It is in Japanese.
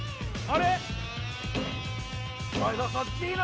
あれ？